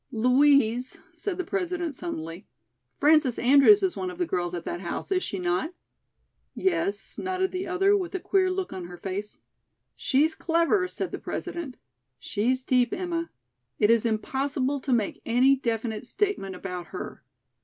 "Louise," said the President suddenly, "Frances Andrews is one of the girls at that house, is she not?" "Yes," nodded the other, with a queer look on her face. "She's clever," said the President. "She's deep, Emma. It is impossible to make any definite statement about her.